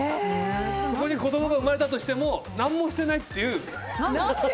そこに子供が生まれたとしても何もしていないっていう。